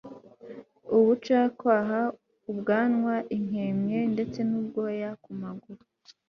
ubucakwaha, ubwanwa, impwempwe ndetse n'ubwoya ku maguru